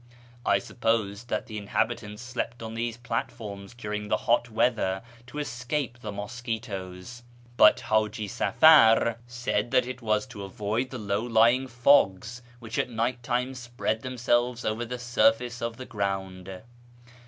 I supposed bat the inhabitants slept on these platforms during the hot leather to escape the mosquitoes, but Haji Safar said that it 562 ^1 YEAR AMONGST THE PERSIANS was to avoid the low lying fogs which at night time sjiread themselves over tlie surface of the ground.